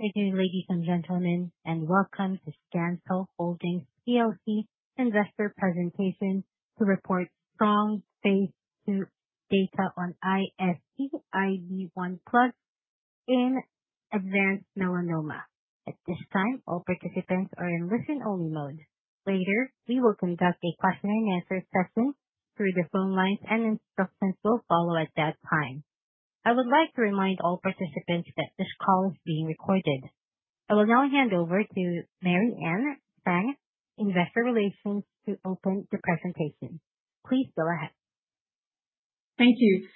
Good afternoon, ladies and gentlemen, and welcome to Scancell Holdings plc investor presentation to report strong phase II data on iSCIB1+ in advanced melanoma. At this time, all participants are in listen-only mode. Later, we will conduct a question and answer session through the phone lines and instructions will follow at that time. I would like to remind all participants that this call is being recorded. I will now hand over to Mary-Ann Chang, Investor Relations, to open the presentation. Please go ahead. Thank you.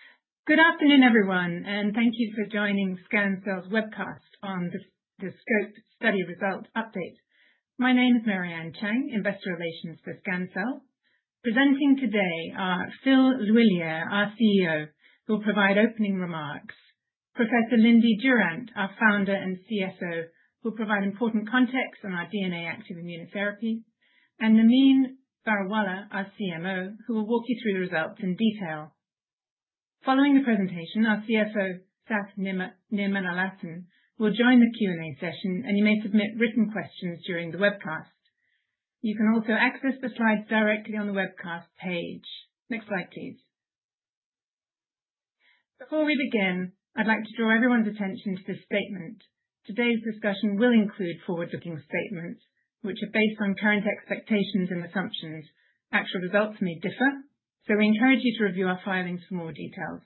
Good afternoon, everyone, and thank you for joining Scancell's webcast on the SCOPE study result update. My name is Mary-Ann Chang, Investor Relations for Scancell. Presenting today are Phil L'Huillier, our CEO, who will provide opening remarks. Professor Lindy Durrant, our founder and CSO, who'll provide important context on our DNA active immunotherapy, and Nermeen Varawalla, our CMO, who will walk you through the results in detail. Following the presentation, our CFO, Sath Nirmalananthan, will join the Q&A session, and you may submit written questions during the webcast. You can also access the slides directly on the webcast page. Next slide, please. Before we begin, I'd like to draw everyone's attention to this statement. Today's discussion will include forward-looking statements which are based on current expectations and assumptions. Actual results may differ, so we encourage you to review our filings for more details.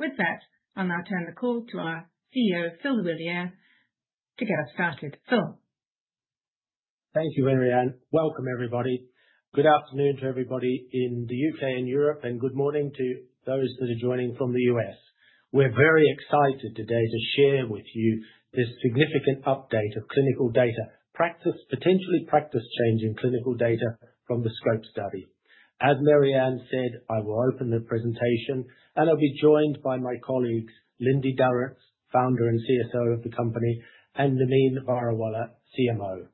With that, I'll now turn the call to our CEO, Phil L'Huillier, to get us started. Phil? Thank you, Mary Ann. Welcome, everybody. Good afternoon to everybody in the U.K. and Europe, and good morning to those that are joining from the U.S. We're very excited today to share with you this significant update of clinical data, potentially practice-changing clinical data from the SCOPE study. As Mary Ann said, I will open the presentation, and I'll be joined by my colleagues, Lindy Durrant, Founder and CSO of the company, and Nermeen Varawalla, CMO.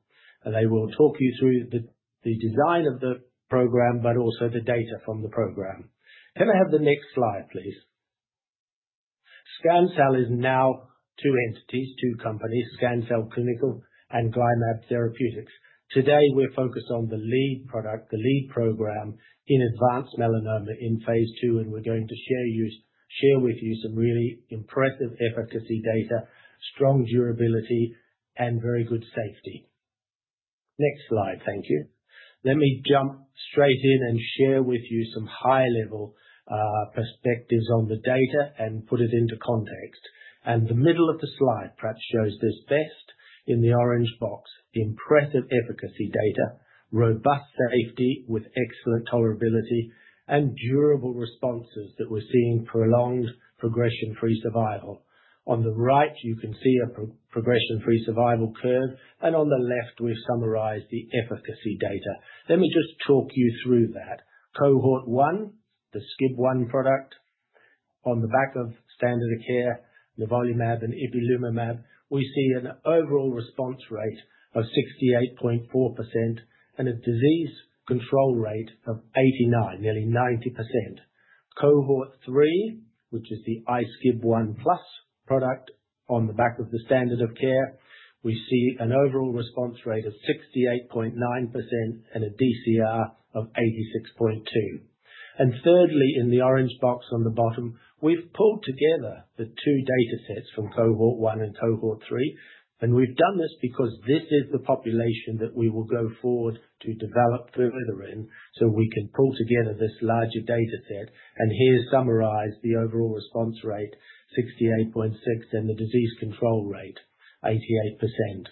They will talk you through the design of the program but also the data from the program. Can I have the next slide, please. Scancell is now two entities, two companies, Scancell Clinical and GlyMab Therapeutics. Today, we're focused on the lead product, the lead program in advanced melanoma in phase II, and we're going to share with you some really impressive efficacy data, strong durability, and very good safety. Next slide, thank you. Let me jump straight in and share with you some high-level perspectives on the data and put it into context. The middle of the slide perhaps shows this best in the orange box. Impressive efficacy data, robust safety with excellent tolerability, and durable responses that we're seeing prolonged progression-free survival. On the right, you can see a progression-free survival curve, and on the left, we've summarized the efficacy data. Let me just talk you through that. Cohort one, the SCIB1 product. On the back of standard of care, nivolumab and ipilimumab, we see an overall response rate of 68.4% and a disease control rate of 89%, nearly 90%. Cohort three, which is the iSCIB1+ product. On the back of the standard of care, we see an overall response rate of 68.9% and a DCR of 86.2%. Thirdly, in the orange box on the bottom, we've pulled together the two datasets from cohort one and cohort three, and we've done this because this is the population that we will go forward to develop further in, so we can pull together this larger dataset. Here summarize the overall response rate, 68.6, and the disease control rate, 88%.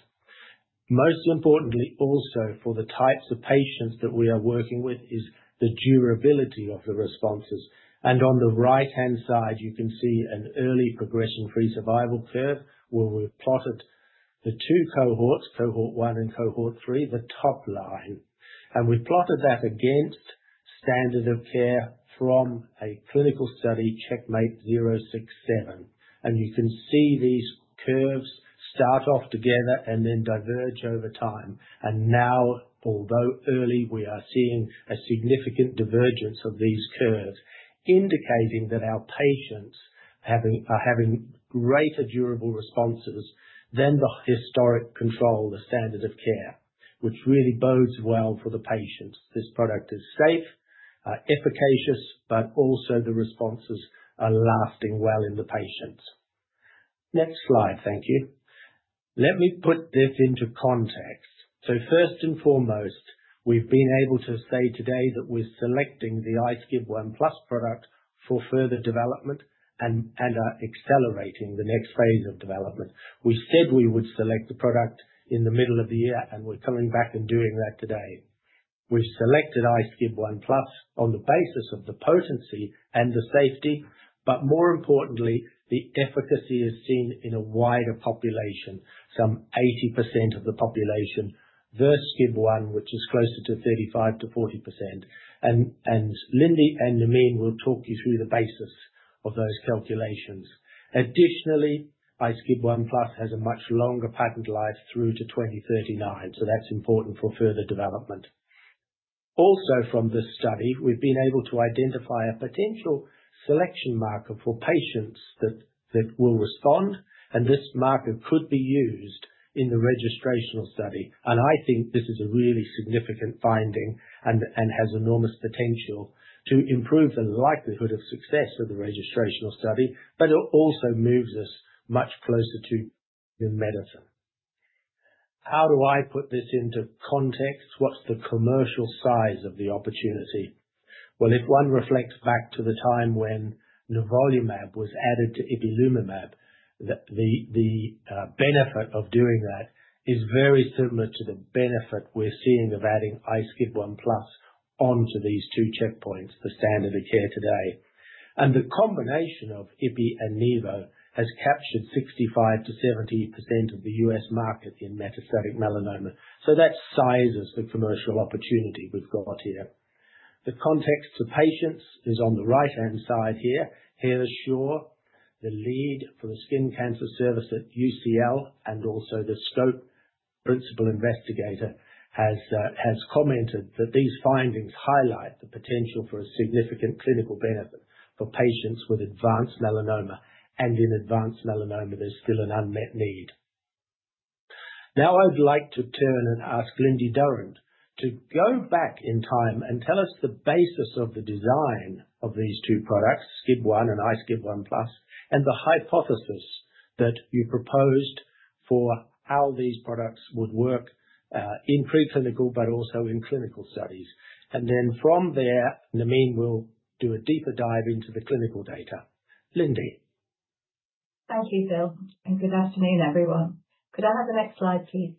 Most importantly, also for the types of patients that we are working with, is the durability of the responses. On the right-hand side, you can see an early progression-free survival curve, where we've plotted the two cohorts, cohort one and cohort three, the top line. We've plotted that against standard of care from a clinical study, CheckMate 067. You can see these curves start off together and then diverge over time. Now, although early, we are seeing a significant divergence of these curves, indicating that our patients are having greater durable responses than the historic control, the standard of care, which really bodes well for the patients. This product is safe, efficacious, but also the responses are lasting well in the patients. Next slide, thank you. Let me put this into context. First and foremost, we've been able to say today that we're selecting the iSCIB1+ product for further development and are accelerating the next phase of development. We said we would select the product in the middle of the year, and we're coming back and doing that today. We've selected iSCIB1+ on the basis of the potency and the safety, but more importantly, the efficacy is seen in a wider population, some 80% of the population, versus SCIB1, which is closer to 35%-40%. Lindy and Nermeen will talk you through the basis of those calculations. Additionally, iSCIB1+ has a much longer patent life through to 2039, so that's important for further development. Also from this study, we've been able to identify a potential selection marker for patients that will respond, and this marker could be used in the registrational study. I think this is a really significant finding and has enormous potential to improve the likelihood of success of the registrational study, but it also moves us much closer to new medicine. How do I put this into context? What's the commercial size of the opportunity? Well, if one reflects back to the time when nivolumab was added to ipilimumab, the benefit of doing that is very similar to the benefit we're seeing of adding iSCIB1+ onto these two checkpoints, the standard of care today. The combination of ipi and nivo has captured 65%-70% of the US market in metastatic melanoma. That sizes the commercial opportunity we've got here. The context for patients is on the right-hand side here. Here is Shaw, the lead for the skin cancer service at UCLH and also the SCOPE principal investigator has commented that these findings highlight the potential for a significant clinical benefit for patients with advanced melanoma. In advanced melanoma, there's still an unmet need. Now, I'd like to turn and ask Lindy Durrant to go back in time and tell us the basis of the design of these two products, SCIB1 and iSCIB1+, and the hypothesis that you proposed for how these products would work in pre-clinical, but also in clinical studies. Then from there, Nermeen Varawalla will do a deeper dive into the clinical data. Lindy. Thank you, Phil, and good afternoon, everyone. Could I have the next slide, please?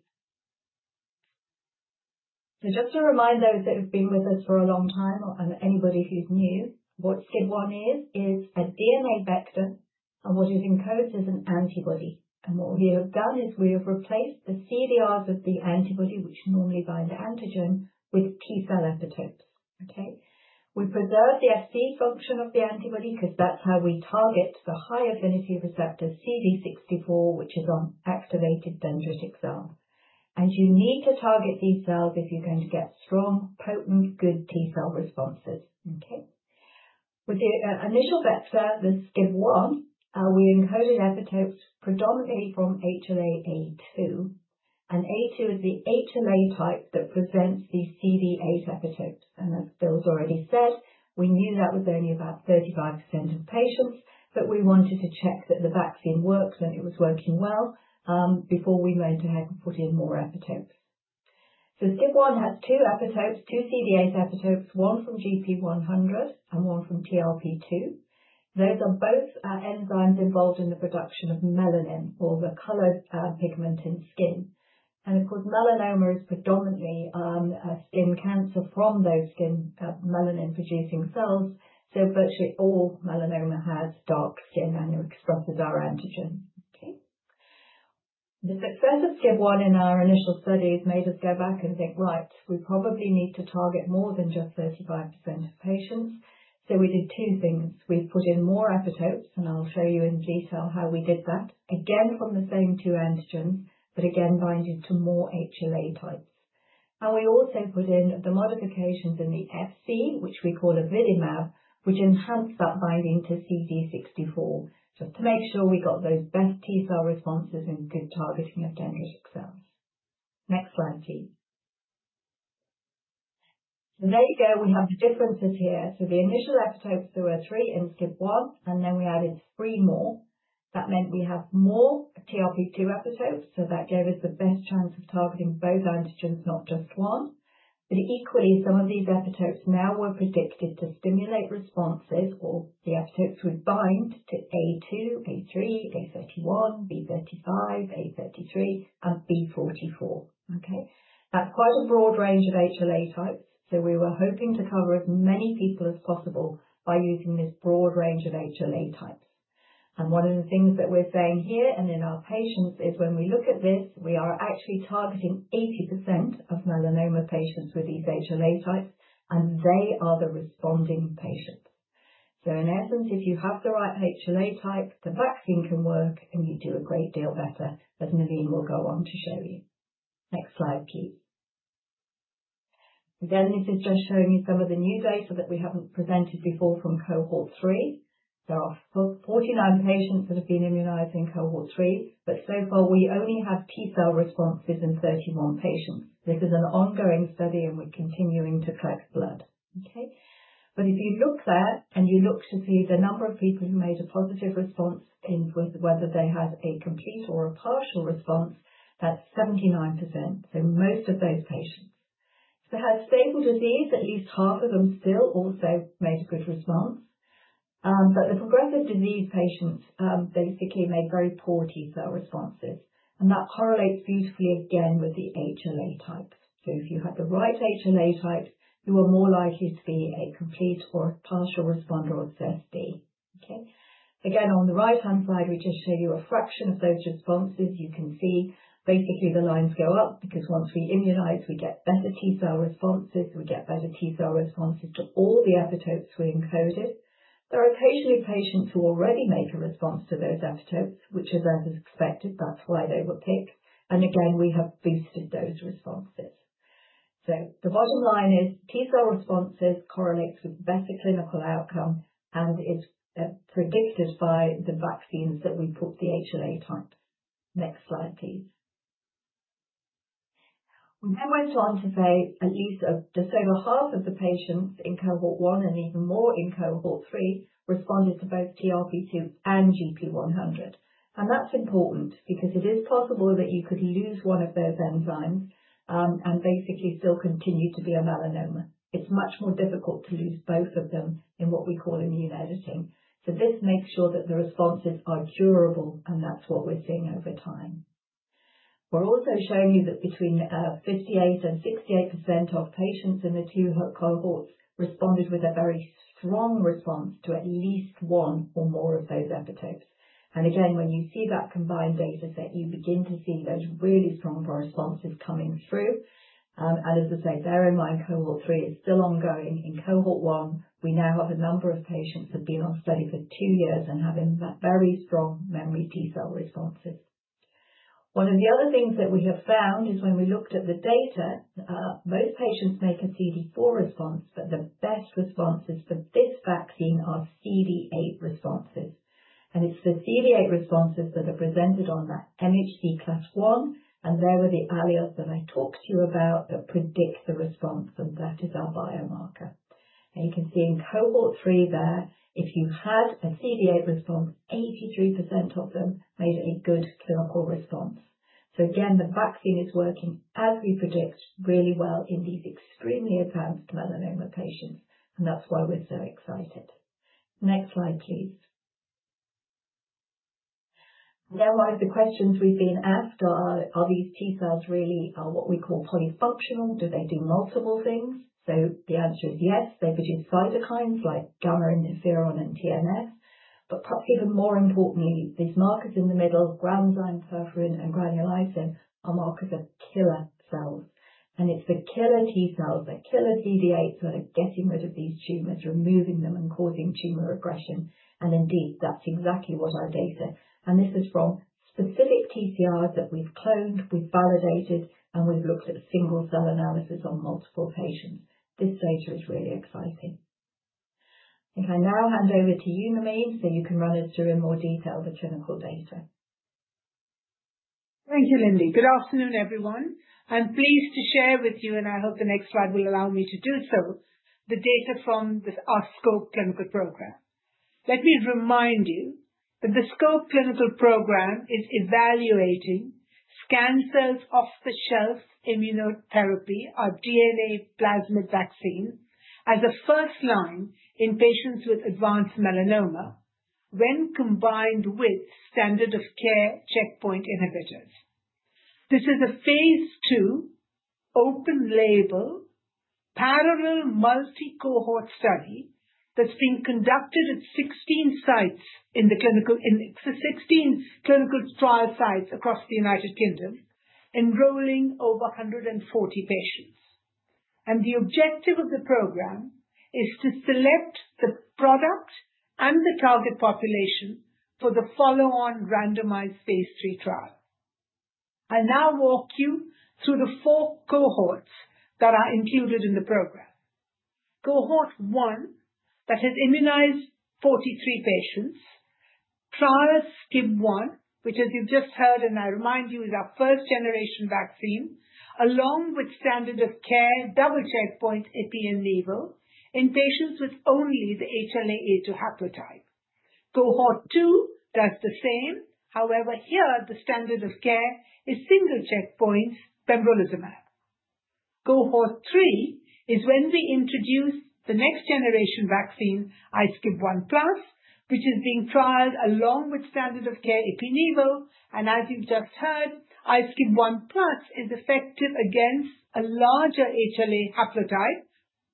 Just to remind those that have been with us for a long time or and anybody who's new, what SCIB1 is a DNA vector and what it encodes is an antibody. What we have done is we have replaced the CDRs of the antibody, which normally bind the antigen, with T-cell epitopes. Okay? We preserve the Fc function of the antibody because that's how we target the high-affinity receptor CD64, which is on activated dendritic cell. You need to target these cells if you're going to get strong, potent, good T-cell responses. Okay? With the initial vector, the SCIB1, we encoded epitopes predominantly from HLA-A2. A2 is the HLA type that presents the CD8 epitope. As Phil's already said, we knew that was only about 35% of patients, but we wanted to check that the vaccine worked and it was working well before we went ahead and put in more epitopes. SCIB1 has two epitopes, two CD8 epitopes, one from GP100 and one from TRP2. Those are both enzymes involved in the production of melanin or the colored pigment in skin. Of course, melanoma is predominantly a skin cancer from those skin melanin-producing cells, so virtually all melanoma has dark skin and expresses our antigen. The success of SCIB1 in our initial studies made us go back and think, "Right, we probably need to target more than just 35% of patients." We did two things. We put in more epitopes, and I'll show you in detail how we did that, again, from the same two antigens, but again binding to more HLA types. We also put in the modifications in the Fc, which we call AvidiMab, which enhanced that binding to CD64. To make sure we got those best T-cell responses and good targeting of dendritic cells. Next slide, please. There you go. We have the differences here. The initial epitopes, there were three in iSCIB1, and then we added three more. That meant we have more TRP2 epitopes. That gave us the best chance of targeting both antigens, not just one. Equally, some of these epitopes now were predicted to stimulate responses or the epitopes would bind to A2, A3, A31, B35, A33, and B44. Okay? That's quite a broad range of HLA types, so we were hoping to cover as many people as possible by using this broad range of HLA types. One of the things that we're saying here and in our patients is when we look at this, we are actually targeting 80% of melanoma patients with these HLA types, and they are the responding patients. In essence, if you have the right HLA type, the vaccine can work, and you do a great deal better, as Nermeen will go on to show you. Next slide, please. This is just showing you some of the new data that we haven't presented before from cohort three. There are forty-nine patients that have been immunized in cohort three, but so far, we only have T-cell responses in thirty-one patients. This is an ongoing study, and we're continuing to collect blood. Okay? If you look there and you look to see the number of people who made a positive response in whether they had a complete or a partial response, that's 79%. Most of those patients had stable disease, at least half of them still also made a good response. The progressive disease patients basically made very poor T-cell responses, and that correlates beautifully again with the HLA type. If you had the right HLA types, you are more likely to be a complete or partial responder or SD. Okay? Again, on the right-hand side, we just show you a fraction of those responses. You can see basically the lines go up because once we immunize, we get better T-cell responses. We get better T-cell responses to all the epitopes we encoded. There are occasionally patients who already make a response to those epitopes, which is as expected, that's why they were picked. Again, we have boosted those responses. The bottom line is T-cell responses correlates with better clinical outcome and is predicted by the vaccines that we put the HLA type. Next slide, please. We then went on to say over half of the patients in cohort one and even more in cohort three responded to both TRP-2 and GP100. That's important because it is possible that you could lose one of those epitopes and basically still continue to be a melanoma. It's much more difficult to lose both of them in what we call immune editing. This makes sure that the responses are durable, and that's what we're seeing over time. We're also showing you that between 58% and 68% of patients in the two cohorts responded with a very strong response to at least one or more of those epitopes. Again, when you see that combined data set, you begin to see those really strong responses coming through. As I say, bear in mind, cohort three is still ongoing. In cohort one, we now have a number of patients who've been on study for two years and having that very strong memory T cell responses. One of the other things that we have found is when we looked at the data, most patients make a CD4 response, but the best responses for this vaccine are CD8 responses. It's the CD8 responses that are presented on that MHC class I, and they were the alleles that I talked to you about that predict the response, and that is our biomarker. You can see in cohort three there, if you had a CD8 response, 83% of them made a good clinical response. Again, the vaccine is working as we predict really well in these extremely advanced melanoma patients, and that's why we're so excited. Next slide, please. Now, one of the questions we've been asked are these T cells really what we call polyfunctional? Do they do multiple things? The answer is yes. They produce cytokines like gamma interferon and TNF. Perhaps even more importantly, these markers in the middle, granzyme, perforin, and granulysin are markers of killer cells. It's the killer T cells, the killer CD8s that are getting rid of these tumors, removing them, and causing tumor regression. Indeed, that's exactly what our data. This is from specific TCRs that we've cloned, we've validated, and we've looked at single-cell analysis on multiple patients. This data is really exciting. If I now hand over to you, Nermeen, so you can run us through in more detail the clinical data. Thank you, Lynley. Good afternoon, everyone. I'm pleased to share with you, and I hope the next slide will allow me to do so, the data from this, our SCOPE clinical program. Let me remind you that the SCOPE clinical program is evaluating Scancell's off-the-shelf immunotherapy or DNA plasmid vaccine as a first line in patients with advanced melanoma when combined with standard of care checkpoint inhibitors. This is a phase II open label, parallel multi-cohort study that's being conducted at sixteen clinical trial sites across the United Kingdom, enrolling over 140 patients. The objective of the program is to select the product and the target population for the follow on randomized phase III trial. I now walk you through the four cohorts that are included in the program. Cohort one that has immunized 43 patients, trials SCIB1, which as you've just heard, and I remind you, is our first generation vaccine along with standard of care double checkpoint ipi/nivo in patients with only the HLA-A*02:01 haplotype. Cohort two does the same. However, here the standard of care is single checkpoint pembrolizumab. Cohort three is when we introduced the next generation vaccine, iSCIB1+, which is being trialed along with standard of care ipi/nivo. As you've just heard, iSCIB1+ is effective against a larger HLA haplotype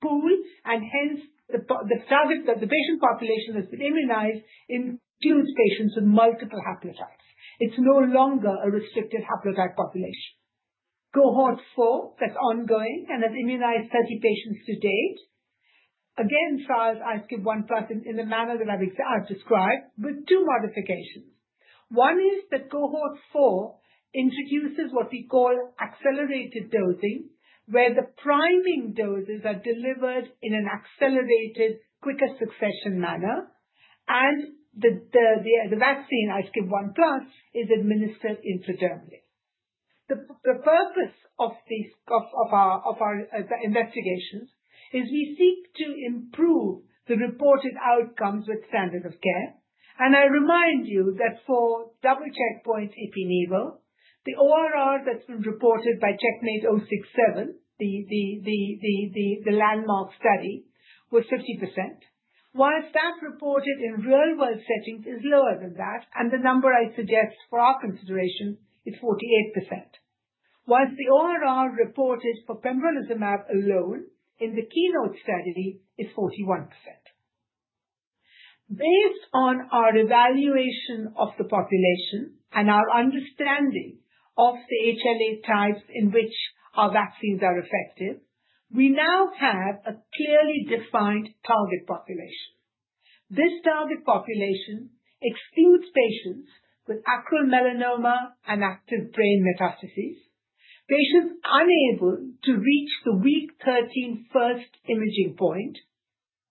pool, and hence the patient population that's been immunized includes patients with multiple haplotypes. It's no longer a restricted haplotype population. Cohort four that's ongoing and has immunized 30 patients to date. Again, trials iSCIB1+ in the manner that I've described with two modifications. One is that cohort four introduces what we call accelerated dosing, where the priming doses are delivered in an accelerated quicker succession manner. The vaccine, iSCIB1+, is administered intradermally. The purpose of our investigations is we seek to improve the reported outcomes with standard of care. I remind you that for double checkpoints ipi/nivo, the ORR that's been reported by CheckMate 067, the landmark study was 50%, while that reported in real world settings is lower than that, and the number I suggest for our consideration is 48%. While the ORR reported for pembrolizumab alone in the KEYNOTE study is 41%. Based on our evaluation of the population and our understanding of the HLA types in which our vaccines are effective, we now have a clearly defined target population. This target population excludes patients with acral melanoma and active brain metastases, patients unable to reach the week 13 first imaging point,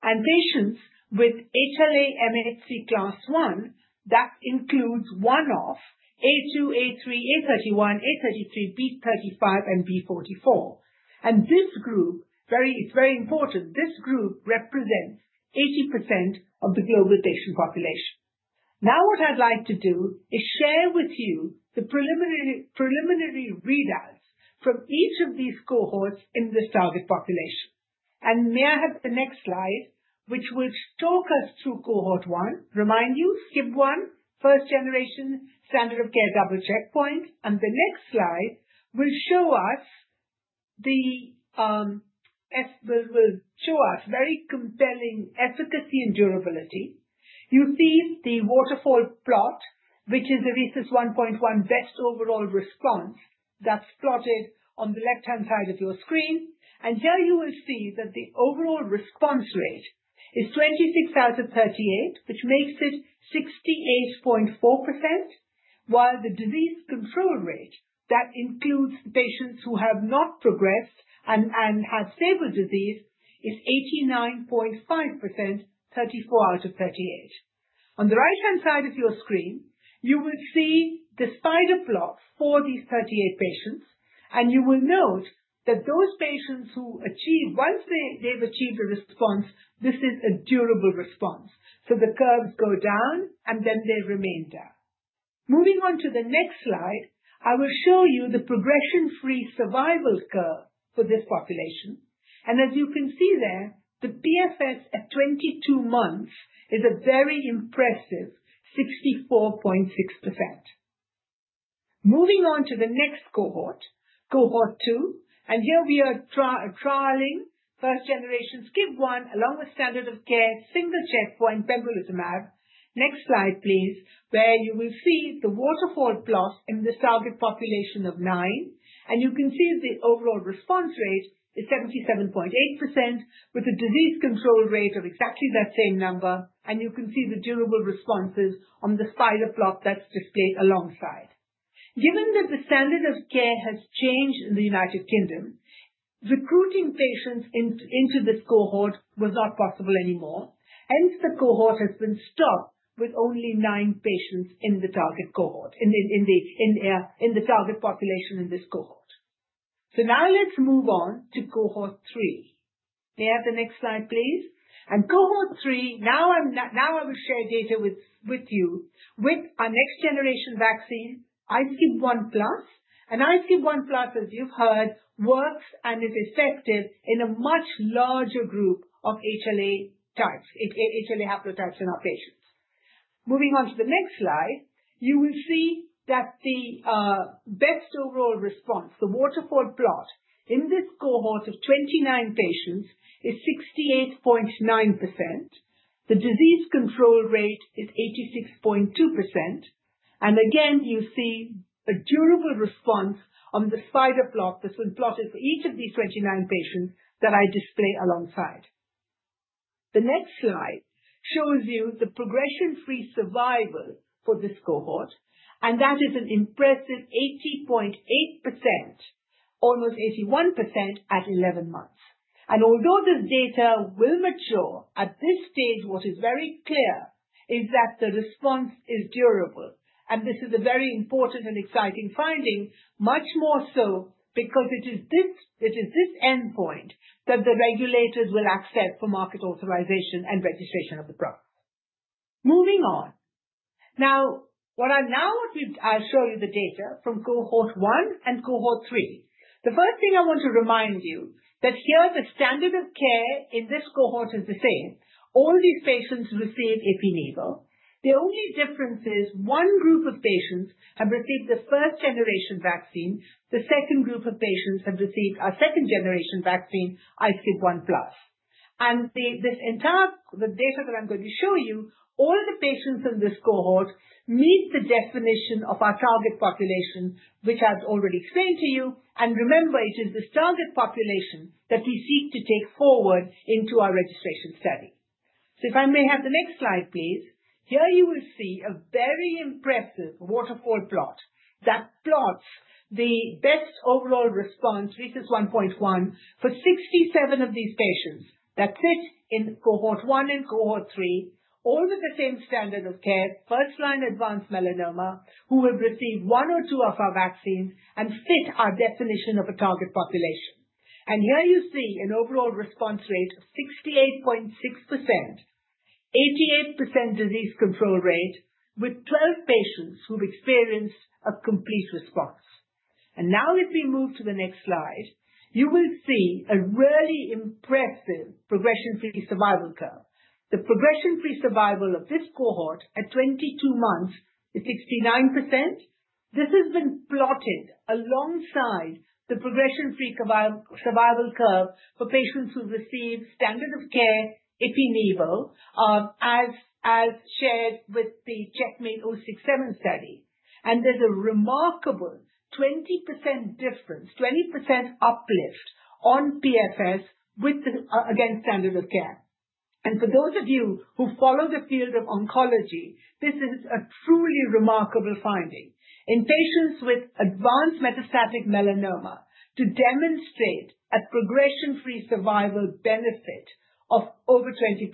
and patients with HLA MHC class I that includes one of A2, A3, A31, A33, B35, and B44. This group, it's very important, this group represents 80% of the global patient population. Now, what I'd like to do is share with you the preliminary readouts from each of these cohorts in this target population. May I have the next slide, which will talk us through cohort one. Remind you, SCIB1, first generation standard of care, double checkpoint. The next slide will show us the ef... Will show us very compelling efficacy and durability. You see the waterfall plot, which is the RECIST 1.1 best overall response that's plotted on the left-hand side of your screen. Here you will see that the overall response rate is 26 out of 38, which makes it 68.4%, while the disease control rate that includes patients who have not progressed and have stable disease is 89.5%, 34 out of 38. On the right-hand side of your screen, you will see the spider plot for these 38 patients, and you will note that those patients who achieve a response once they have achieved a response, this is a durable response. The curves go down, and then they remain down. Moving on to the next slide, I will show you the progression-free survival curve for this population. As you can see there, the PFS at 22 months is a very impressive 64.6%. Moving on to the next cohort two. Here we are trialing first generation iSCIB1 along with standard of care, single checkpoint pembrolizumab. Next slide, please. Where you will see the waterfall plot in this target population of nine. You can see the overall response rate is 77.8% with a disease control rate of exactly that same number. You can see the durable responses on the spider plot that's displayed alongside. Given that the standard of care has changed in the U.K., recruiting patients into this cohort was not possible anymore. Hence, the cohort has been stopped with only nine patients in the target cohort, in the target population in this cohort. Now let's move on to cohort three. May I have the next slide, please? Cohort three, I will share data with you with our next generation vaccine, iSCIB1+. iSCIB1+, as you've heard, works and is effective in a much larger group of HLA types, HLA haplotypes in our patients. Moving on to the next slide, you will see that the best overall response, the waterfall plot in this cohort of 29 patients is 68.9%. The disease control rate is 86.2%. Again, you see a durable response on the spider plot that's been plotted for each of these 29 patients that I display alongside. The next slide shows you the progression-free survival for this cohort, and that is an impressive 80.8%, almost 81% at 11 months. Although this data will mature, at this stage what is very clear is that the response is durable. This is a very important and exciting finding, much more so because it is this, it is this endpoint that the regulators will accept for market authorization and registration of the product. Moving on. Now, I'll show you the data from cohort one and cohort three. The first thing I want to remind you that here the standard of care in this cohort is the same. All these patients receive ipi/nivo. The only difference is one group of patients have received the first generation vaccine, the second group of patients have received our second generation vaccine, iSCIB1+. The data that I'm going to show you, all the patients in this cohort meet the definition of our target population, which I've already explained to you. Remember, it is this target population that we seek to take forward into our registration study. If I may have the next slide, please. Here you will see a very impressive waterfall plot that plots the best overall response, RECIST 1.1, for 67 of these patients that sit in cohort one and cohort three, all with the same standard of care, first-line advanced melanoma who have received one or two of our vaccines and fit our definition of a target population. Here you see an overall response rate of 68.6%, 88% disease control rate, with 12 patients who've experienced a complete response. Now if we move to the next slide, you will see a really impressive progression-free survival curve. The progression-free survival of this cohort at 22 months is 69%. This has been plotted alongside the progression-free survival curve for patients who've received standard of care ipi/nivo, as shared with the CheckMate 067 study. There's a remarkable 20% difference, 20% uplift on PFS with the against standard of care. For those of you who follow the field of oncology, this is a truly remarkable finding. In patients with advanced metastatic melanoma, to demonstrate a progression-free survival benefit of over 20%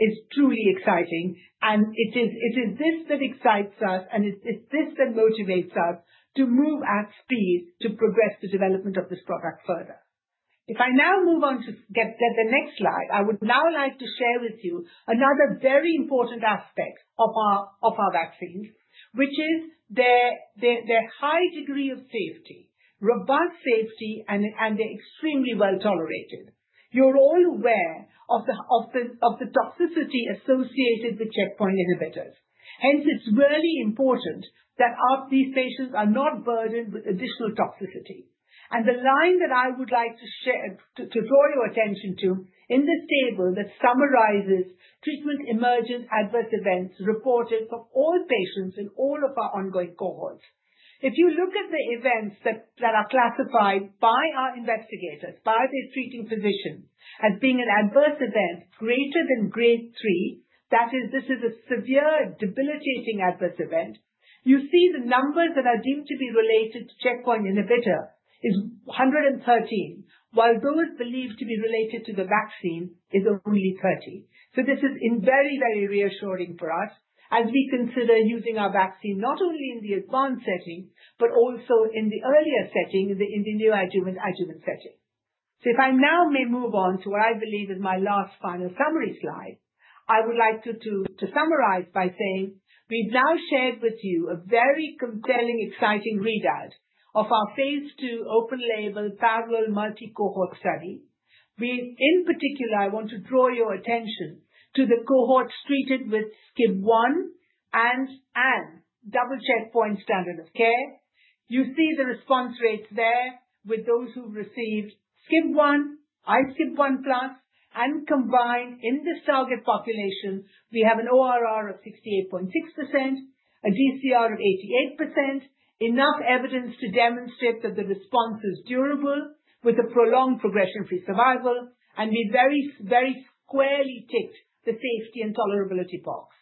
is truly exciting. It is this that excites us, and it's this that motivates us to move at speed to progress the development of this product further. If I now move on to get the next slide. I would now like to share with you another very important aspect of our vaccines, which is their high degree of safety, robust safety, and they're extremely well-tolerated. You're all aware of the toxicity associated with checkpoint inhibitors. Hence, it's really important that these patients are not burdened with additional toxicity. The line that I would like to share to draw your attention to in this table that summarizes treatment emergent adverse events reported for all patients in all of our ongoing cohorts. If you look at the events that are classified by our investigators, by their treating physicians as being an adverse event greater than grade three, that is, this is a severe debilitating adverse event. You see the numbers that are deemed to be related to checkpoint inhibitor is 113, while those believed to be related to the vaccine is only 30. This is very, very reassuring for us as we consider using our vaccine not only in the advanced setting but also in the earlier setting, in the neoadjuvant-adjuvant setting. If I now may move on to what I believe is my last final summary slide. I would like to summarize by saying we've now shared with you a very compelling, exciting readout of our phase II open label parallel multi-cohort study. In particular, I want to draw your attention to the cohorts treated with iSCIB1+ and double checkpoint standard of care. You see the response rates there with those who've received SCIB1, iSCIB1+, and combined in this target population. We have an ORR of 68.6%, a DCR of 88%. Enough evidence to demonstrate that the response is durable with a prolonged progression-free survival. We very, very squarely ticked the safety and tolerability box.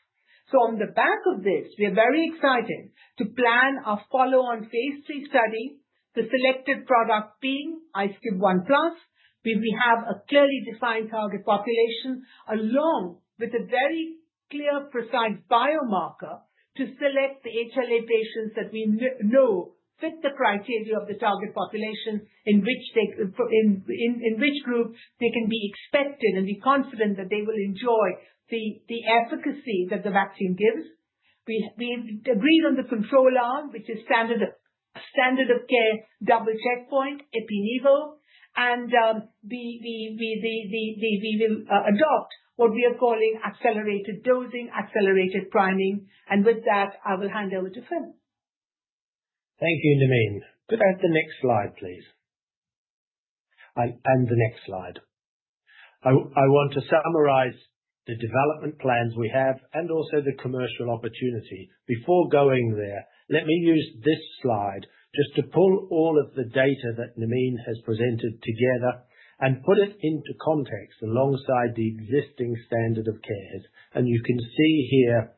On the back of this, we are very excited to plan our follow-on phase III study, the selected product being iSCIB1+. We have a clearly defined target population, along with a very clear precise biomarker to select the HLA patients that we know fit the criteria of the target population in which group they can be expected and be confident that they will enjoy the efficacy that the vaccine gives. We agreed on the control arm, which is standard of care, double checkpoint ipi/nivo, and we will adopt what we are calling accelerated dosing, accelerated priming. With that, I will hand over to Phil. Thank you, Nermeen. Could I have the next slide, please? The next slide. I want to summarize the development plans we have and also the commercial opportunity. Before going there, let me use this slide just to pull all of the data that Nermeen has presented together and put it into context alongside the existing standard of care. You can see here,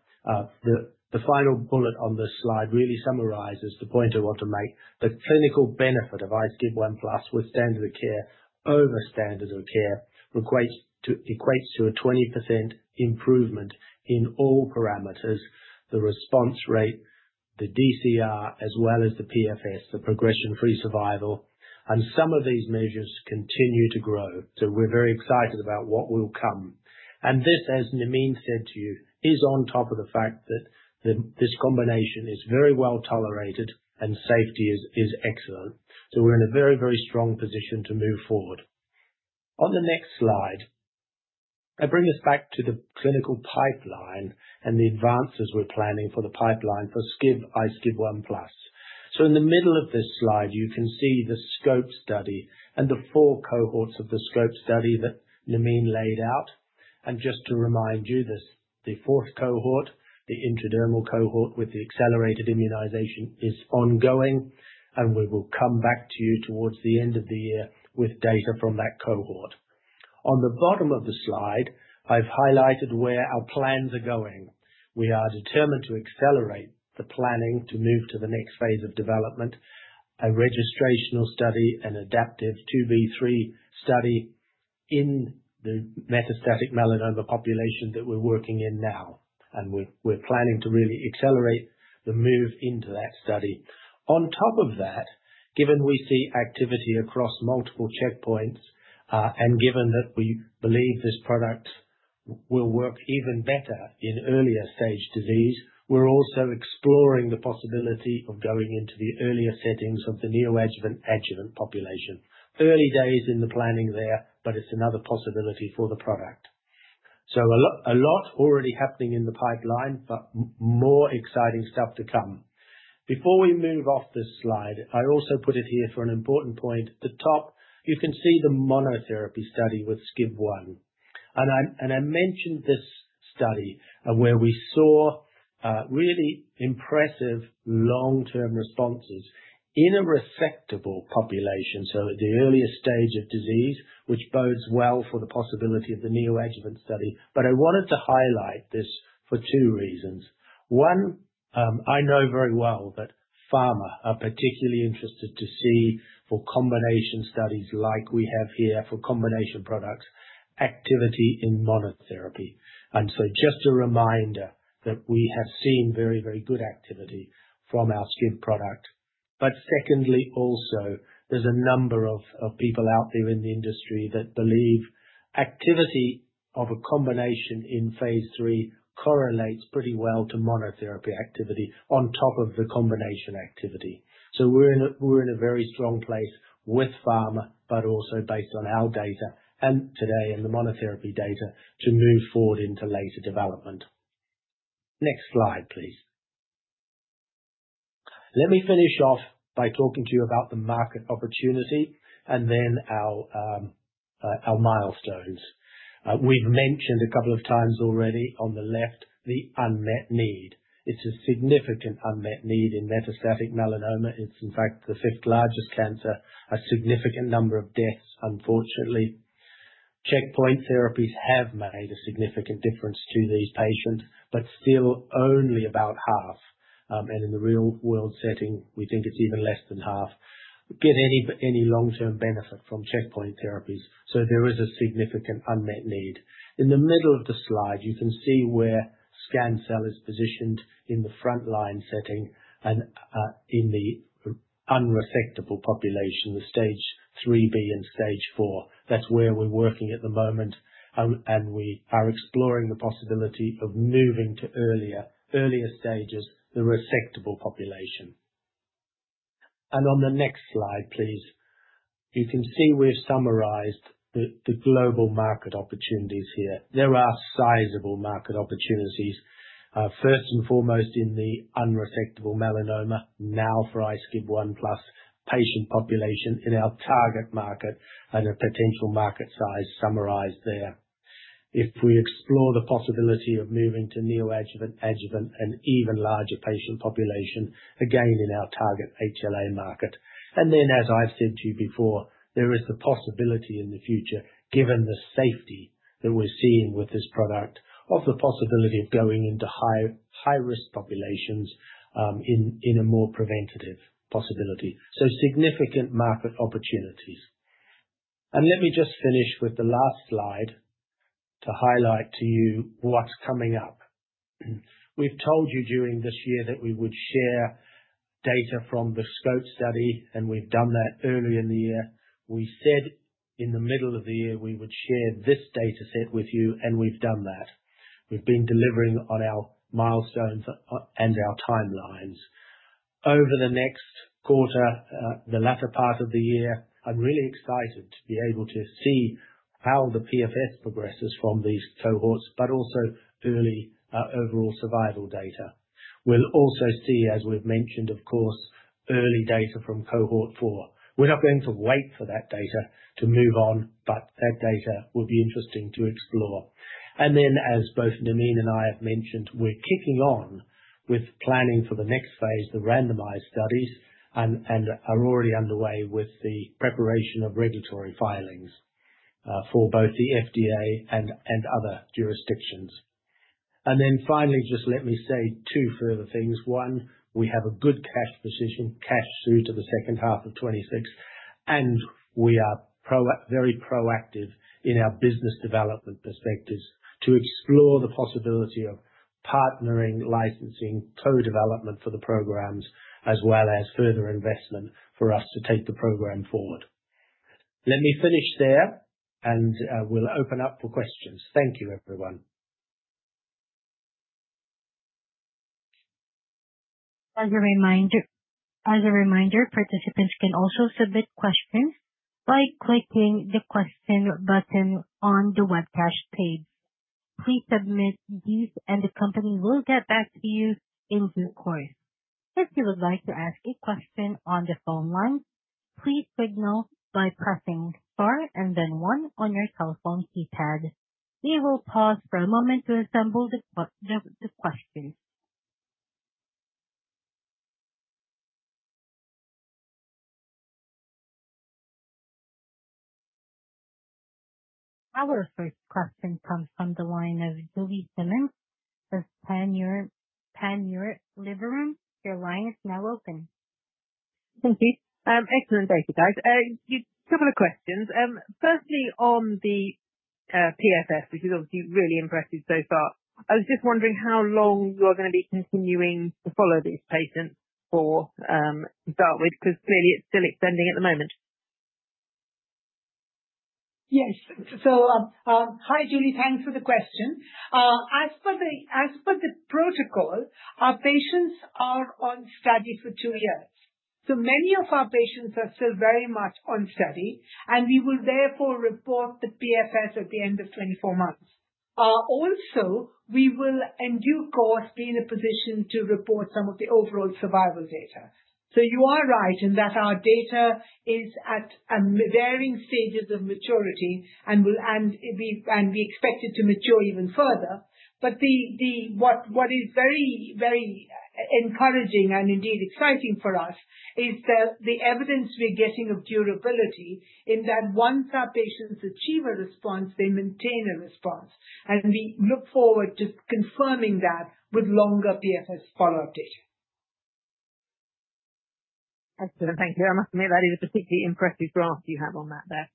the final bullet on this slide really summarizes the point I want to make. The clinical benefit of iSCIB1+ with standard of care over standard of care equates to a 20% improvement in all parameters, the response rate, the DCR, as well as the PFS, the progression-free survival. Some of these measures continue to grow. We're very excited about what will come. This, as Nermeen said to you, is on top of the fact that this combination is very well-tolerated and safety is excellent. We're in a very, very strong position to move forward. On the next slide, I bring us back to the clinical pipeline and the advances we're planning for the pipeline for iSCIB1+. In the middle of this slide, you can see the SCOPE study and the four cohorts of the SCOPE study that Nermeen laid out. Just to remind you that the fourth cohort, the intradermal cohort with the accelerated immunization, is ongoing, and we will come back to you towards the end of the year with data from that cohort. On the bottom of the slide, I've highlighted where our plans are going. We are determined to accelerate the planning to move to the next phase of development, a registrational study, an adaptive two by three study in the metastatic melanoma population that we're working in now. We're planning to really accelerate the move into that study. On top of that, given we see activity across multiple checkpoints, and given that we believe this product will work even better in earlier stage disease, we're also exploring the possibility of going into the earlier settings of the neoadjuvant/adjuvant population. Early days in the planning there, but it's another possibility for the product. A lot already happening in the pipeline, but more exciting stuff to come. Before we move off this slide, I also put it here for an important point. At the top, you can see the monotherapy study with SKI001. I mentioned this study where we saw really impressive long-term responses in a resectable population, so at the earliest stage of disease, which bodes well for the possibility of the neoadjuvant study. I wanted to highlight this for two reasons. One, I know very well that pharma are particularly interested to see for combination studies like we have here for combination products, activity in monotherapy. Just a reminder that we have seen very, very good activity from our SCIB product. Secondly, also there's a number of people out there in the industry that believe activity of a combination in phase III correlates pretty well to monotherapy activity on top of the combination activity. We're in a very strong place with pharma, but also based on our data and today in the monotherapy data to move forward into later development. Next slide, please. Let me finish off by talking to you about the market opportunity and then our milestones. We've mentioned a couple of times already on the left the unmet need. It's a significant unmet need in metastatic melanoma. It's in fact the fifth largest cancer. A significant number of deaths unfortunately. Checkpoint therapies have made a significant difference to these patients, but still only about half, and in the real world setting, we think it's even less than half, get any long-term benefit from checkpoint therapies. There is a significant unmet need. In the middle of the slide, you can see where Scancell is positioned in the frontline setting and in the unresectable population, the stage 3-B and stage four. That's where we're working at the moment. We are exploring the possibility of moving to earlier stages, the resectable population. On the next slide, please. You can see we've summarized the global market opportunities here. There are sizable market opportunities, first and foremost in the unresectable melanoma, now for iSCIB1+ patient population in our target market and a potential market size summarized there. If we explore the possibility of moving to neoadjuvant, adjuvant and even larger patient population, again in our target HLA market. As I've said to you before, there is the possibility in the future, given the safety that we're seeing with this product, of the possibility of going into high risk populations in a more preventative possibility. Significant market opportunities. Let me just finish with the last slide to highlight to you what's coming up. We've told you during this year that we would share data from the SCOPE study, and we've done that early in the year. We said in the middle of the year we would share this data set with you, and we've done that. We've been delivering on our milestones and our timelines. Over the next quarter, the latter part of the year, I'm really excited to be able to see how the PFS progresses from these cohorts, but also early overall survival data. We'll also see, as we've mentioned, of course, early data from cohort four. We're not going to wait for that data to move on, but that data will be interesting to explore. Then, as both Nermeen and I have mentioned, we're kicking on with planning for the next phase, the randomized studies, and are already underway with the preparation of regulatory filings for both the FDA and other jurisdictions. Then finally, just let me say two further things. One, we have a good cash position, cash through to the second half of 2026, and we are very proactive in our business development perspectives to explore the possibility of partnering, licensing, co-development for the programs, as well as further investment for us to take the program forward. Let me finish there and we'll open up for questions. Thank you, everyone. As a reminder, participants can also submit questions by clicking the question button on the webcast page. Please submit these and the company will get back to you in due course. If you would like to ask a question on the phone line, please signal by pressing star and then one on your telephone keypad. We will pause for a moment to assemble the questions. Our first question comes from the line of Julie Simmonds with Panmure Liberum. Your line is now open. Thank you. Excellent. Thank you, guys. Couple of questions. Firstly on the PFS, which is obviously really impressive so far. I was just wondering how long you are gonna be continuing to follow these patients for, to start with? Because clearly it's still extending at the moment. Yes. Hi, Julie. Thanks for the question. As for the protocol, our patients are on study for two years. Many of our patients are still very much on study and we will therefore report the PFS at the end of 24 months. Also we will in due course be in a position to report some of the overall survival data. You are right in that our data is at varying stages of maturity and we expect it to mature even further. What is very encouraging and indeed exciting for us is the evidence we're getting of durability in that once our patients achieve a response, they maintain a response. We look forward to confirming that with longer PFS follow-up data. Excellent. Thank you. I must admit that is a particularly impressive graph you have on that there.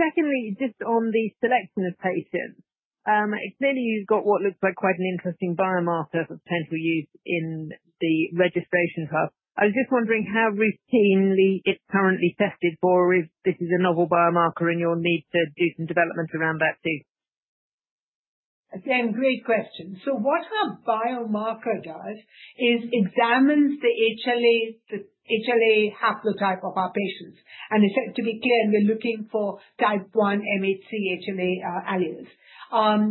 Secondly, just on the selection of patients, it's clear you've got what looks like quite an interesting biomarker for potential use in the registration trial. I was just wondering how routinely it's currently tested for or if this is a novel biomarker, and you'll need to do some development around that too. Again, great question. What our biomarker does is examines the HLA, the HLA haplotype of our patients. To be clear, we're looking for type one MHC HLA alleles.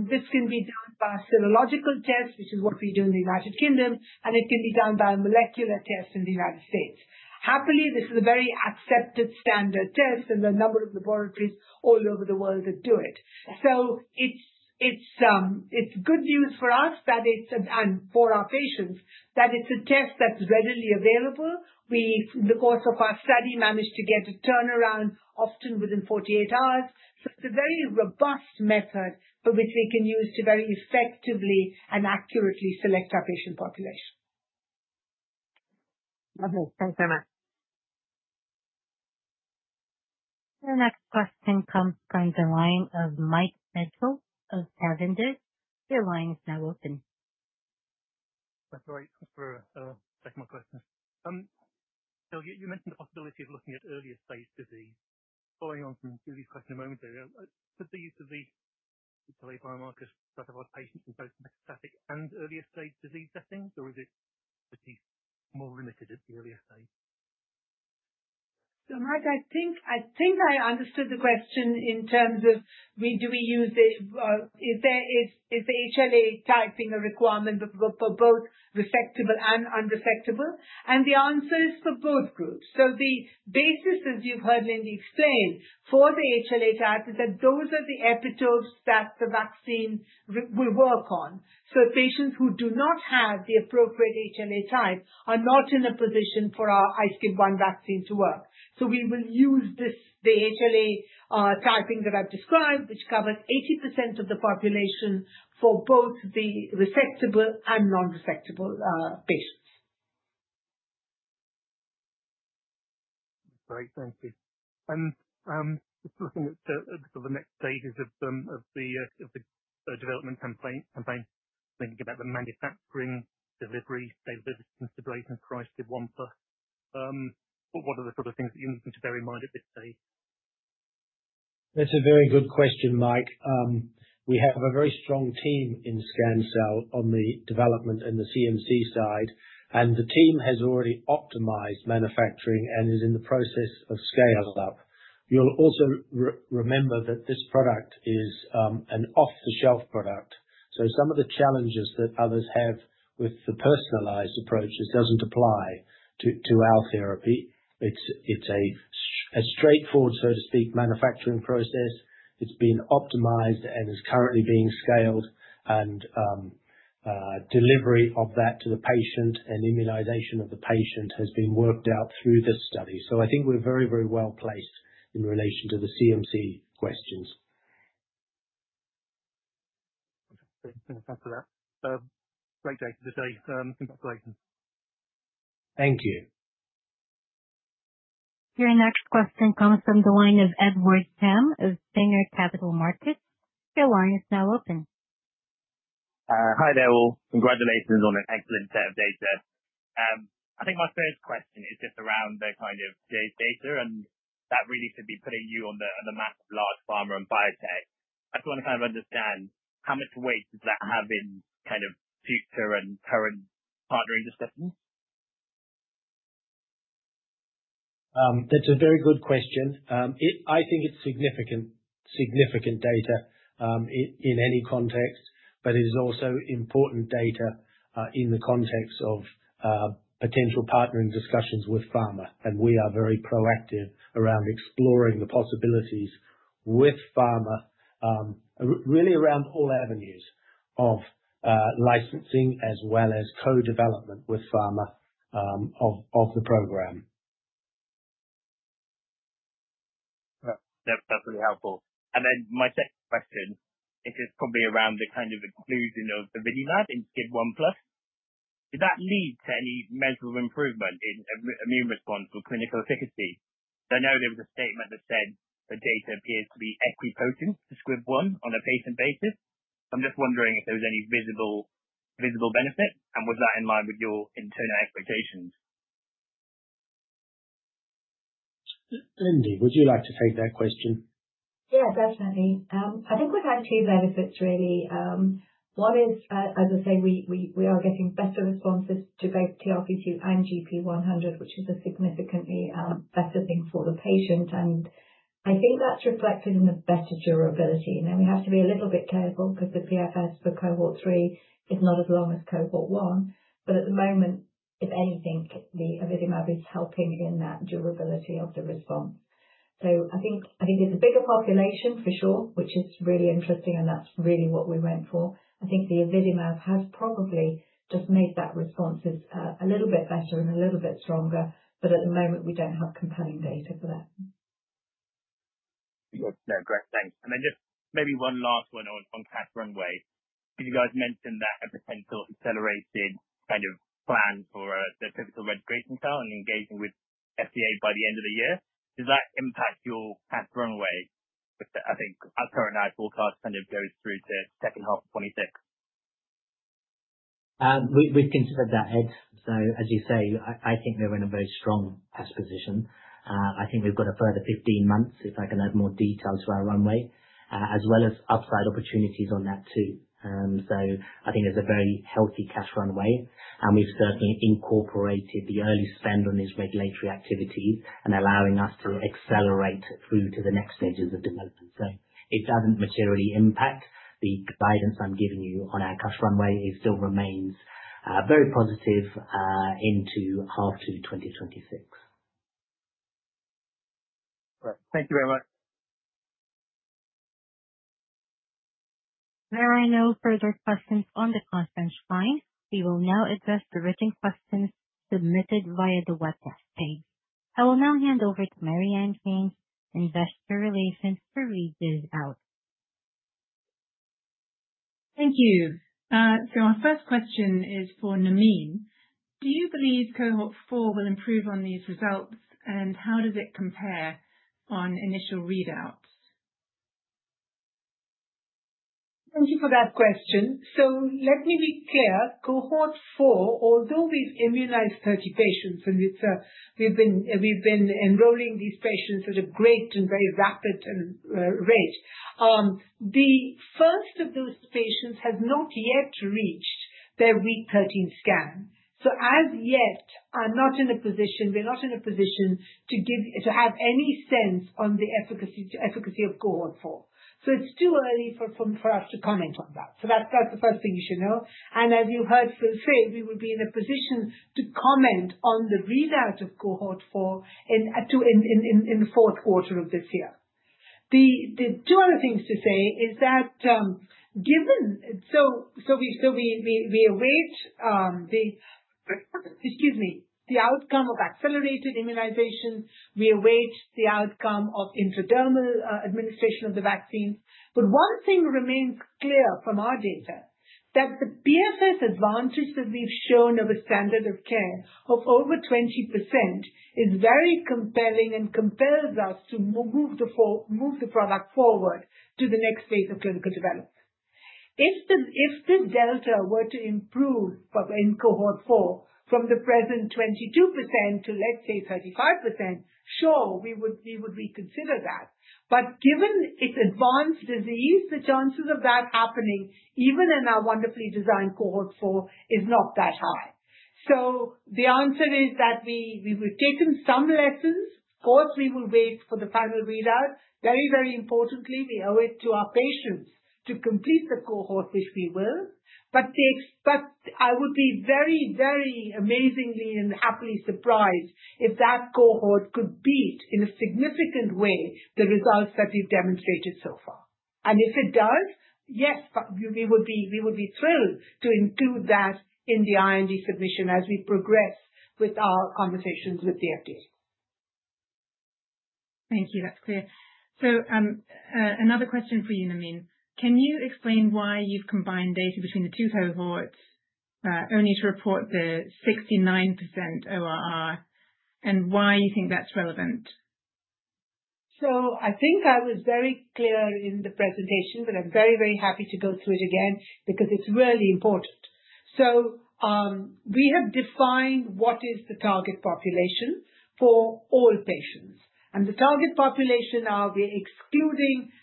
This can be done by serological tests, which is what we do in the United Kingdom, and it can be done by molecular tests in the United States. Happily, this is a very accepted standard test, and there are a number of laboratories all over the world that do it. It's good news for us that it's, and for our patients, that it's a test that's readily available. We, in the course of our study, managed to get a turnaround often within 48 hours. It's a very robust method for which we can use to very effectively and accurately select our patient population. Lovely. Thanks very much. The next question comes from the line of Mike Gednal of Investec. Your line is now open. That's right. Just for a second question. So you mentioned the possibility of looking at earlier stage disease. Following on from Julie's question a moment ago, could the use of the HLA biomarker stratify patients in both metastatic and earlier stage disease settings, or is it at least more limited at the earlier stage? Mike, I think I understood the question in terms of we, do we use it, is there, is the HLA typing a requirement for both resectable and unresectable? The answer is for both groups. The basis, as you've heard Lindy explain, for the HLA type, is that those are the epitopes that the vaccine will work on. Patients who do not have the appropriate HLA type are not in a position for our iSCIB1 vaccine to work. We will use this, the HLA, typing that I've described, which covers 80% of the population for both the resectable and unresectable patients. Great. Thank you. Just looking at the next stages of the development campaign, thinking about the manufacturing, delivery, stable delivery, stability and price of one plus, what are the sort of things that you need to bear in mind at this stage? That's a very good question, Mike. We have a very strong team in Scancell on the development and the CMC side, and the team has already optimized manufacturing and is in the process of scale up. You'll also remember that this product is an off-the-shelf product. Some of the challenges that others have with the personalized approach, it doesn't apply to our therapy. It's a straightforward, so to speak, manufacturing process. It's been optimized and is currently being scaled and delivery of that to the patient and immunization of the patient has been worked out through this study. I think we're very, very well placed in relation to the CMC questions. Okay. Many thanks for that. Great day for the day. Congratulations. Thank you. Your next question comes from the line of Edward Sham of Singer Capital Markets. Your line is now open. Hi there all. Congratulations on an excellent set of data. I think my first question is just around the kind of phase data, and that really should be putting you on the map of large pharma and biotech. I just want to kind of understand how much weight does that have in kind of future and current partnering discussions? That's a very good question. I think it's significant data in any context, but it is also important data in the context of potential partnering discussions with pharma. We are very proactive around exploring the possibilities with pharma, really around all avenues of licensing as well as co-development with pharma, of the program. Yeah. That's definitely helpful. My second question is just probably around the kind of inclusion of the AvidiMab in iSCIB1+. Did that lead to any measurable improvement in immune response or clinical efficacy? I know there was a statement that said the data appears to be equipotent to SCIB1 on a patient basis. I'm just wondering if there was any visible benefit, and was that in line with your internal expectations? Lindy, would you like to take that question? Yeah, definitely. I think we've had two benefits really. One is, as I say, we are getting better responses to both TRP-2 and GP100, which is a significantly better thing for the patient and I think that's reflected in the better durability. Now, we have to be a little bit careful because the PFS for cohort three is not as long as cohort one. At the moment, if anything, the AvidiMab is helping in that durability of the response. I think it's a bigger population for sure, which is really interesting, and that's really what we went for. I think the AvidiMab has probably just made that response as, a little bit better and a little bit stronger. At the moment, we don't have compelling data for that. No, great. Thanks. Then just maybe one last one on cash runway. You guys mentioned that a potential accelerated kind of plan for the typical registration trial and engaging with FDA by the end of the year. Does that impact your cash runway? Which I think our current guidance forecast kind of goes through to second half 2026. We've considered that, Ed. As you say, I think we're in a very strong cash position. I think we've got a further 15 months, if I can add more detail to our runway, as well as upside opportunities on that too. I think there's a very healthy cash runway, and we've certainly incorporated the early spend on these regulatory activities and allowing us to accelerate through to the next stages of development. It doesn't materially impact the guidance I'm giving you on our cash runway. It still remains very positive into H2 2026. Great. Thank you very much. There are no further questions on the conference line. We will now address the written questions submitted via the webcast page. I will now hand over to Mary-Ann Chang, Investor Relations, to read them out. Thank you. Our first question is for Nermeen. Do you believe cohort four will improve on these results, and how does it compare on initial readouts? Thank you for that question. Let me be clear. Cohort four, although we've immunized 30 patients, and it's, we've been enrolling these patients at a great and very rapid rate. The first of those patients have not yet reached their week 13 scan. As yet, I'm not in a position, we're not in a position to give—to have any sense on the efficacy of cohort four. It's too early for us to comment on that. That's the first thing you should know. As you heard Phil say, we will be in a position to comment on the readout of cohort four in the fourth quarter of this year. The two other things to say is that, given... We await the outcome of accelerated immunization. We await the outcome of intradermal administration of the vaccine. One thing remains clear from our data that the PFS advantage that we've shown over standard of care of over 20% is very compelling and compels us to move the product forward to the next phase of clinical development. If the delta were to improve in cohort four from the present 22% to, let's say, 35%, sure, we would reconsider that. Given it's advanced disease, the chances of that happening, even in our wonderfully designed cohort four, is not that high. The answer is that we've taken some lessons. Of course, we will wait for the final readout. Very, very importantly, we owe it to our patients to complete the cohort, if we will. I would be very, very amazingly and happily surprised if that cohort could beat, in a significant way, the results that we've demonstrated so far. If it does, yes, we would be thrilled to include that in the IND submission as we progress with our conversations with the FDA. Thank you. That's clear. Another question for you, Nermeen. Can you explain why you've combined data between the two cohorts only to report the 69% ORR and why you think that's relevant? I think I was very clear in the presentation, but I'm very, very happy to go through it again because it's really important. We have defined what is the target population for all patients. The target population are, we're excluding acral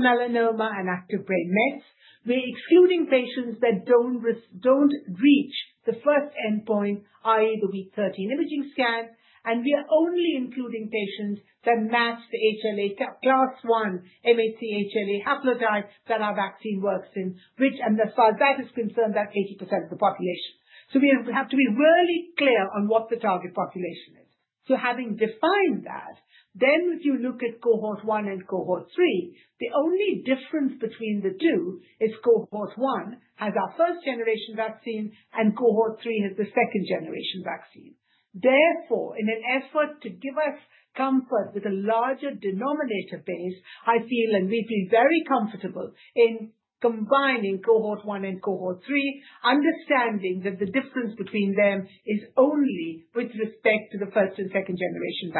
melanoma and active brain mets. We're excluding patients that don't reach the first endpoint, i.e., the week 13 imaging scan. We are only including patients that match the HLA class I MHC HLA haplotype that our vaccine works in which, and as far as that is concerned, that's 80% of the population. We have to be really clear on what the target population is. Having defined that, then if you look at cohort one and cohort three, the only difference between the two is cohort one has our first generation vaccine and cohort three has the second generation vaccine. Therefore, in an effort to give us comfort with a larger denominator base, I feel, and we feel very comfortable in combining cohort one and cohort three, understanding that the difference between them is only with respect to the first and second generation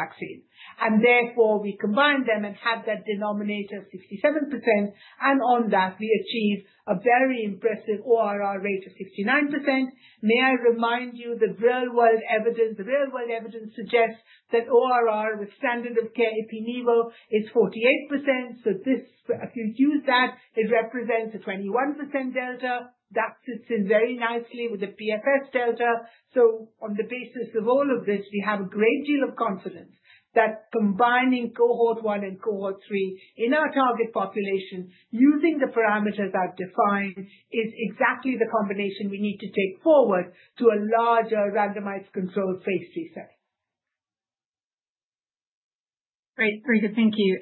vaccine. Therefore, we combined them and had that denominator of 67%. On that, we achieved a very impressive ORR rate of 69%. May I remind you, the real world evidence suggests that ORR with standard of care ipi/nivo is 48%. This, if you use that, it represents a 21% delta. That sits in very nicely with the PFS delta. On the basis of all of this, we have a great deal of confidence. That combining cohort one and cohort three in our target population, using the parameters I've defined, is exactly the combination we need to take forward to a larger randomized controlled phase III setting. Great. Very good. Thank you.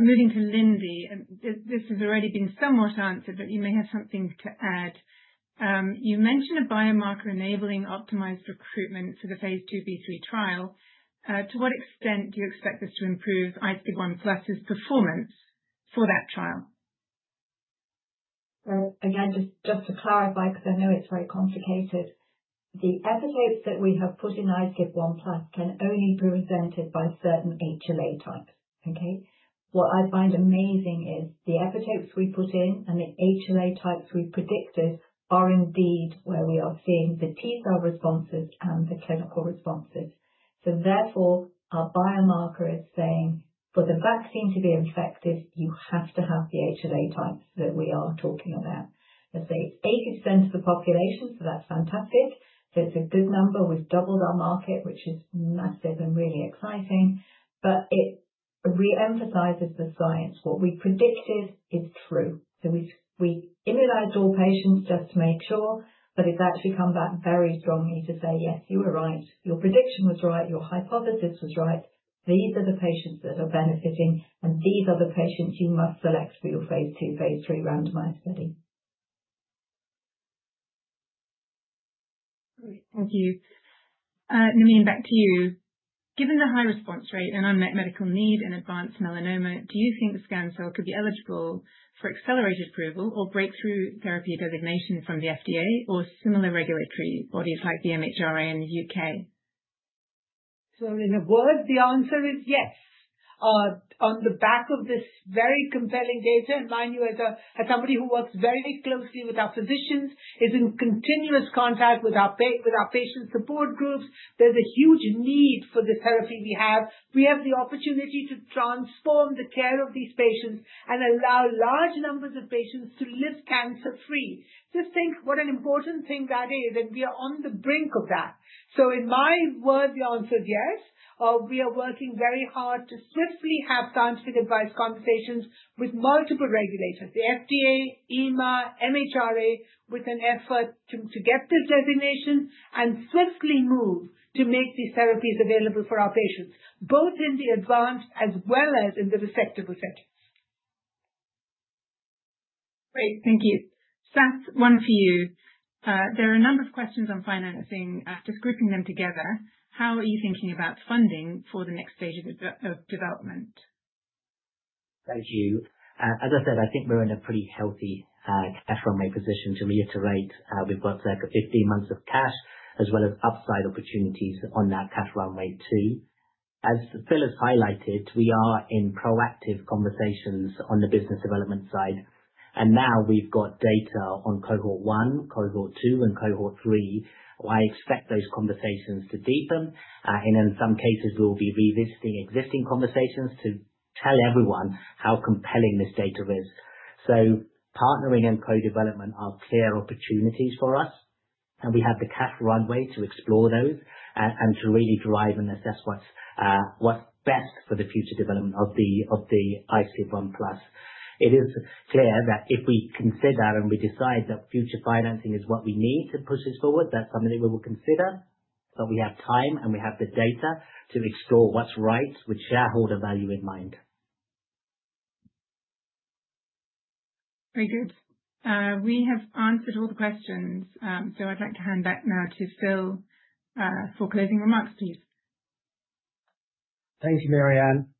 Moving to Lindy, this has already been somewhat answered, but you may have something to add. You mentioned a biomarker enabling optimized recruitment for the phase II, phase III trial. To what extent do you expect this to improve iSCIB1+'s performance for that trial? Again, just to clarify, because I know it's very complicated. The epitopes that we have put in iSCIB1+ can only be presented by certain HLA types. Okay? What I find amazing is the epitopes we put in and the HLA types we predicted are indeed where we are seeing the T-cell responses and the clinical responses. Therefore, our biomarker is saying, for the vaccine to be effective, you have to have the HLA types that we are talking about. Let's say 80% of the population, so that's fantastic. That's a good number. We've doubled our market, which is massive and really exciting. It re-emphasizes the science. What we predicted is true. We've immunized all patients just to make sure, but it's actually come back very strongly to say, "Yes, you were right. Your prediction was right, your hypothesis was right. These are the patients that are benefiting, and these are the patients you must select for your phase II, phase III randomized study. Great. Thank you. Nermeen, back to you. Given the high response rate and unmet medical need in advanced melanoma, do you think Scancell could be eligible for accelerated approval or breakthrough therapy designation from the FDA or similar regulatory bodies like the MHRA in the U.K.? In a word, the answer is yes. On the back of this very compelling data, and mind you, as somebody who works very closely with our physicians, is in continuous contact with our patient support groups, there's a huge need for the therapy we have. We have the opportunity to transform the care of these patients and allow large numbers of patients to live cancer-free. Just think what an important thing that is, and we are on the brink of that. In my word, the answer is yes. We are working very hard to swiftly have scientific advice conversations with multiple regulators, the FDA, EMA, MHRA, with an effort to get this designation and swiftly move to make these therapies available for our patients, both in the advanced as well as in the resectable settings. Great, thank you. Sass, one for you. There are a number of questions on financing. After grouping them together, how are you thinking about funding for the next stage of development? Thank you. As I said, I think we're in a pretty healthy cash runway position. To reiterate, we've got circa 15 months of cash as well as upside opportunities on that cash runway too. As Phil has highlighted, we are in proactive conversations on the business development side, and now we've got data on cohort one, cohort two, and cohort three. I expect those conversations to deepen, and in some cases we will be revisiting existing conversations to tell everyone how compelling this data is. Partnering and co-development are clear opportunities for us, and we have the cash runway to explore those and to really drive and assess what's best for the future development of the iSCIB1+. It is clear that if we consider and we decide that future financing is what we need to push us forward, that's something we will consider. We have time, and we have the data to explore what's right with shareholder value in mind. Very good. We have answered all the questions. I'd like to hand back now to Phil, for closing remarks, please. Thank you, Mary-Ann Chang.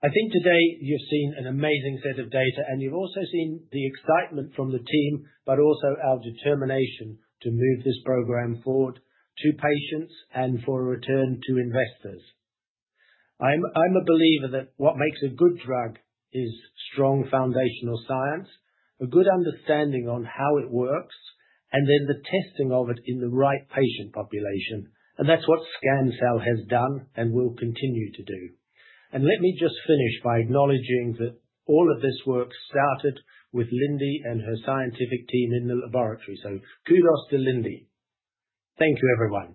I think today you've seen an amazing set of data, and you've also seen the excitement from the team, but also our determination to move this program forward to patients and for a return to investors. I'm a believer that what makes a good drug is strong foundational science, a good understanding on how it works, and then the testing of it in the right patient population. That's what Scancell has done and will continue to do. Let me just finish by acknowledging that all of this work started with Lindy and her scientific team in the laboratory. Kudos to Lindy. Thank you, everyone.